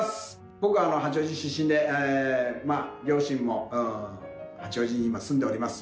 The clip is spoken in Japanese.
僕は八王子出身で、まあ、両親も八王子に今、住んでおります。